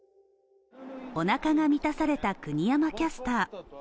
おなかが満たされた国山キャスター。